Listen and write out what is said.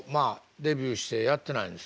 デビューしてやってないんでしょ？